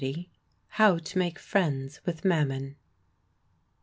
HOW TO MAKE FRIENDS WITH MAMMON.